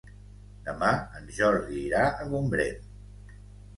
Demà en Jordi irà a Gombrèn.